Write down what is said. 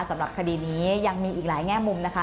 สำหรับคดีนี้ยังมีอีกหลายแง่มุมนะคะ